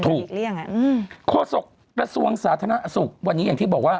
ถูกโฆษกระทรวงสาธารณสุขวันนี้อย่างที่บอกว่า